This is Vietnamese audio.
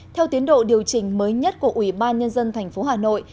theo tiến độ điều chỉnh mới nhất của ủy ban nhân dân tp hà nội